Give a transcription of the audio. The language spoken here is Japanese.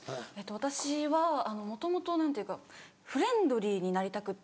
私はもともと何ていうかフレンドリーになりたくて。